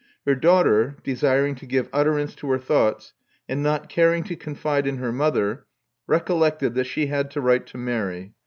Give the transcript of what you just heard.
Her daughter, desiring to give utterance to her thoughts, and not caring to confide in her mother, recollected that she had to write to Mary.